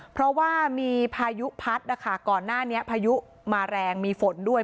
เพราะว่ามีพายุพัดนะคะก่อนหน้านี้พายุมาแรงมีฝนด้วย